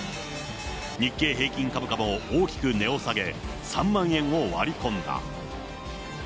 日経平均株価も大きく値を下げ、３万円を割り込んだ。